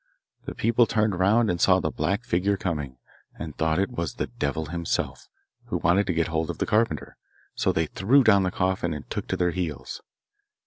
The people turned round and saw the black figure coming, and thought it was the devil himself, who wanted to get hold of the carpenter, so they threw down the coffin and took to their heels.